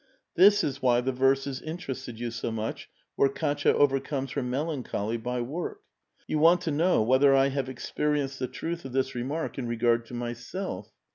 " This is why the verses interested you so much, where Katya overcomes her melancholy by work. You want to know whether I have experienced the truth of this remark, in regard to myself.